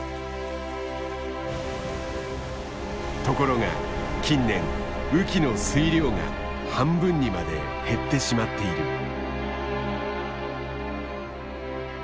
ところが近年雨季の水量が半分にまで減ってしまっている。